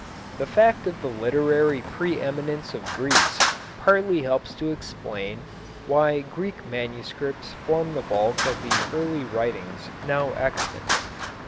The fact of the literary pre eminence of Greece partly helps to explain why Greek manuscripts form the bulk of the early writings now extant.